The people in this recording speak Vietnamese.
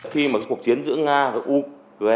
khi mà cuộc chiến giữa nga và úc